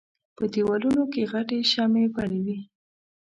په دېوالونو کې غټې شمعې بلې وې.